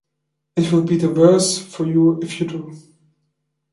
It will be the worse for you if you do.